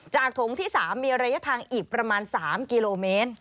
ถงที่๓มีระยะทางอีกประมาณ๓กิโลเมตร